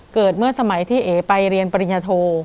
เมื่อสมัยที่เอ๋ไปเรียนปริญญาโท